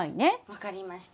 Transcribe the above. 分かりました。